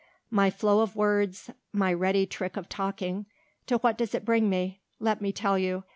"My flow of words, my ready trick of talking; to what does it bring me? Let me tell you.